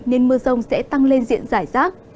nên mưa rông sẽ tăng lên diện giải rác